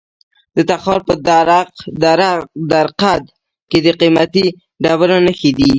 د تخار په درقد کې د قیمتي ډبرو نښې دي.